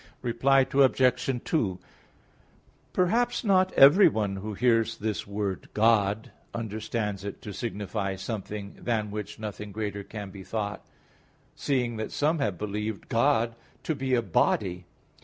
Reply Obj. 2: Perhaps not everyone who hears this word "God" understands it to signify something than which nothing greater can be thought, seeing that some have believed God to be a body.